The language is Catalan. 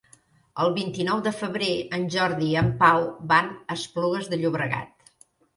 El vint-i-nou de febrer en Jordi i en Pau van a Esplugues de Llobregat.